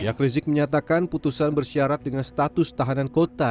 pihak rizik menyatakan putusan bersyarat dengan status tahanan kota